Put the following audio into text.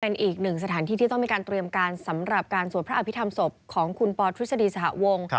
เป็นอีกหนึ่งสถานที่ที่ต้องมีการเตรียมการสำหรับการสวดพระอภิษฐรรมศพของคุณปอทฤษฎีสหวง